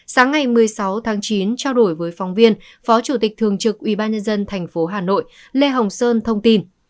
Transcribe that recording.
sáng ngày một mươi sáu tháng chín trao đổi với phóng viên phó chủ tịch thường trực ubnd tp hà nội lê hồng sơn thông tin